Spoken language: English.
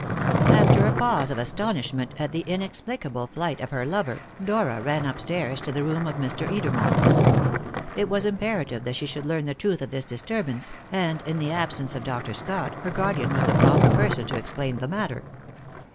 After a pause of astonishment at the inexplicable flight of her lover, Dora ran upstairs to the room of Mr. Edermont. It was imperative that she should learn the truth of this disturbance, and, in the absence of Dr. Scott, her guardian was the proper person to explain the matter.